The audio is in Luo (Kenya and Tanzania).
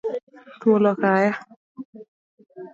Thuol okaya.